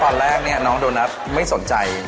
ตอนแรกเนี่ยน้องโดนัทไม่สนใจ